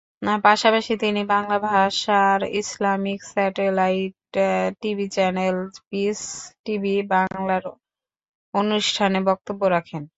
পাশাপাশি তিনি বাংলা ভাষার Islamic satellite TV channel Peace TV বাংলার অনুষ্ঠানে বক্তব্য রাখেন।